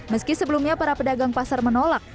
meski sebelumnya para pedagang pasar menolak